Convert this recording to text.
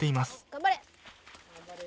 頑張れ。